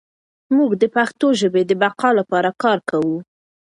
موږ د پښتو ژبې د بقا لپاره کار کوو.